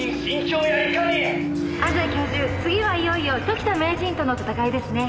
次はいよいよ時田名人との戦いですね」